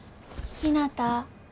ひなた。